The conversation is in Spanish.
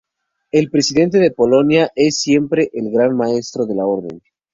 El presidente de Polonia es siempre el Gran Maestro de la Orden.